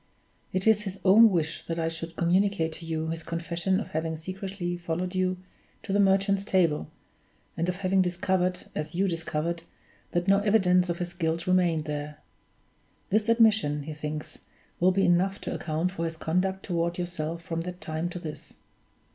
It is his own wish that I should communicate to you his confession of having secretly followed you to the Merchant's Table, and of having discovered (as you discovered) that no evidence of his guilt remained there. This admission, he thinks, will be enough to account for his conduct toward yourself from that time to this.